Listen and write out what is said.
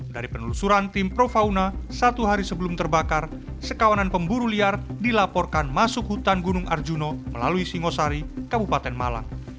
dari penelusuran tim pro fauna satu hari sebelum terbakar sekawanan pemburu liar dilaporkan masuk hutan gunung arjuno melalui singosari kabupaten malang